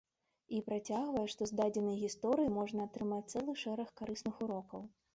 І працягвае, што з дадзенай гісторыі можна атрымаць цэлы шэраг карысных урокаў.